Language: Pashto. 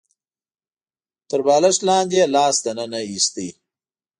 تر بالښت لاندې يې لاس ننه ايست.